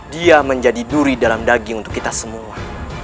dia menjadi duri dalam daging untuk kita semua